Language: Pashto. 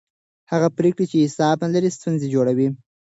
هغه پرېکړې چې حساب نه لري ستونزې جوړوي